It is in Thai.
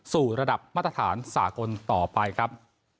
สู่ระดับมาตรฐานสากลต่อไปครับ